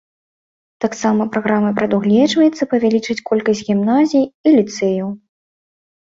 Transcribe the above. Таксама праграмай прадугледжваецца павялічыць колькасць гімназій і ліцэяў.